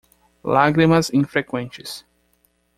Lágrimas infreqüentes